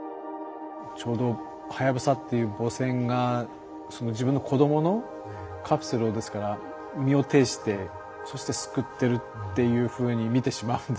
ちょうどはやぶさっていう母船が自分の子供のカプセルをですから身をていしてそして救ってるっていうふうに見てしまうんですよね。